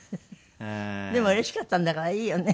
でもうれしかったんだからいいよね。